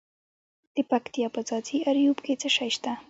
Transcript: د پکتیا په ځاځي اریوب کې څه شی شته؟